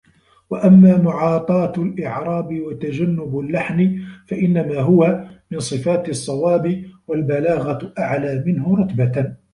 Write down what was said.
وَأَمَّا مُعَاطَاةُ الْإِعْرَابِ وَتَجَنُّبُ اللَّحَنِ فَإِنَّمَا هُوَ مِنْ صِفَاتِ الصَّوَابِ وَالْبَلَاغَةُ أَعْلَى مِنْهُ رُتْبَةً